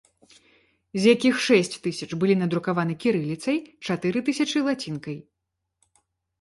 З якіх шэсць тысяч былі надрукаваны кірыліцай, чатыры тысячы лацінкай.